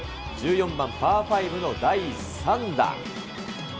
１４番パー５の第３打。